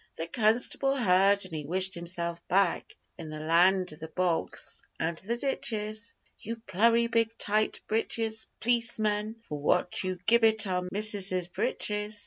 The constable heard, and he wished himself back In the land of the bogs and the ditches 'You plurry big tight britches p'liceman, what for You gibbit our missuses britches?